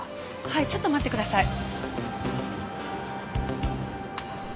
はいちょっと待ってください。